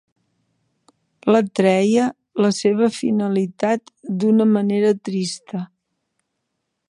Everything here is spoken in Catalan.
L'atreia la seva finalitat d'una manera trista.